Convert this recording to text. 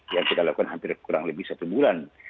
yang kita lakukan hampir kurang lebih satu bulan